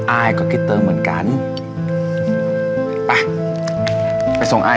อายก็คิดเติมเหมือนกันไปไปส่งอาย